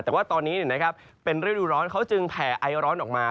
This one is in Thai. แต่ว่าตอนนี้เป็นฤดูร้อนเขาจึงแผ่ไอร้อนออกมา